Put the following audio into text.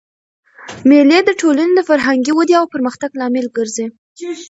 مېلې د ټولني د فرهنګي ودئ او پرمختګ لامل ګرځي.